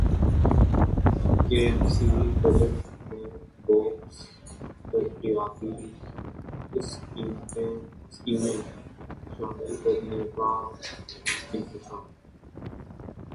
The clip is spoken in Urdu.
کے ایم سی بجٹ میں بوگس ترقیاتی اسکیمیں شامل کرنیکا انکشاف